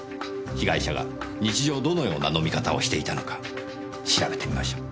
被害者が日常どのような飲み方をしていたのか調べてみましょう。